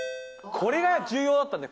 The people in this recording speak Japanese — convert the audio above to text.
これが重要だったんだよ。